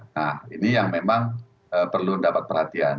nah ini yang memang perlu mendapat perhatian